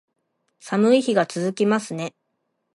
寒い日が続きますね